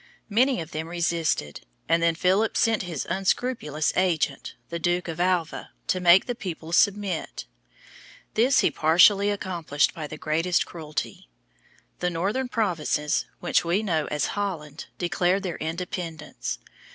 Many of them resisted, and then Philip sent his unscrupulous agent, the Duke of Alva, to make the people submit. This he partially accomplished by the greatest cruelty. The northern provinces, which we know as Holland, declared their independence.